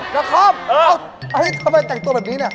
นะครับทำไมแต่งตัวแบบนี้เนี่ย